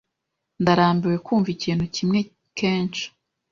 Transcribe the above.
Ndarambiwe kumva ikintu kimwe kenshi.